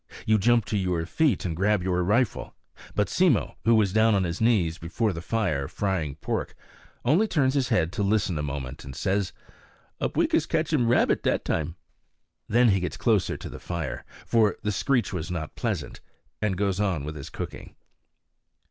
You jump to your feet and grab your rifle; but Simmo, who is down on his knees before the fire frying pork, only turns his head to listen a moment, and says: "Upweekis catch um rabbit dat time." Then he gets closer to the fire, for the screech was not pleasant, and goes on with his cooking.